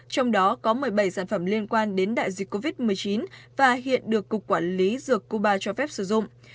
trong đó có một mươi bảy sản phẩm liên quan đến đại dịch covid một mươi chín và hiện được cục quản lý dược cuba cho phép sử dụng